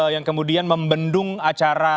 yang kemudian membendung acara